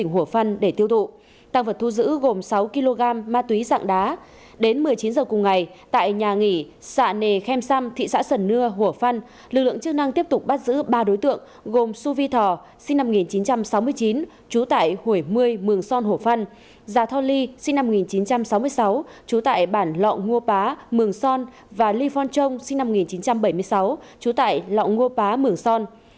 chín h cùng ngày tại nhà nghỉ sạ nề khem sam thị xã sần nưa hổ phân lực lượng chức năng tiếp tục bắt giữ ba đối tượng gồm su vi thò sinh năm một nghìn chín trăm sáu mươi chín chú tại hủy mươi mường son hổ phân già tho ly sinh năm một nghìn chín trăm sáu mươi sáu chú tại bản lọ ngô pá mường son và ly phong trông sinh năm một nghìn chín trăm bảy mươi sáu chú tại lọ ngô pá mường son